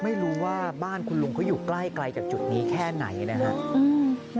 ไม่รู้ว่าบ้านคุณลุงเขาอยู่ใกล้ไกลจากจุดนี้แค่ไหนนะครับ